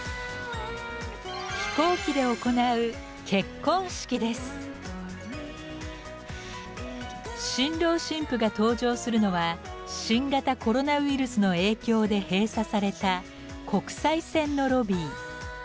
飛行機で行う新郎新婦が登場するのは新型コロナウイルスの影響で閉鎖された国際線のロビー。